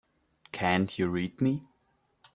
Can't you read me?